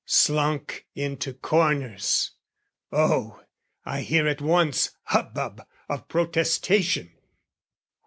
Slunk into corners! Oh, I hear at once Hubbub of protestation!